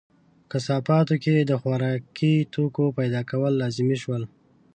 په کثافاتو کې د خوراکي توکو پیدا کول لازمي شول.